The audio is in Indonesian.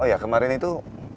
oh ya kemarin itu